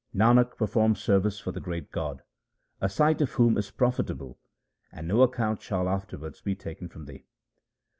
Nanak, perform service for the great God, a sight of whom is profitable, and no account shall afterwards be taken from thee.